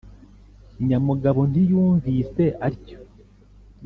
nyamugabo ntiyumvise atyo,